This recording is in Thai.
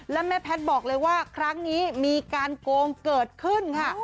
และแม่แพทย์บอกเลยว่าครั้งนี้มีการโกงเกิดขึ้นค่ะ